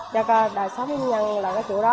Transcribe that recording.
cho các đại sát nhân nhân là cái chỗ đó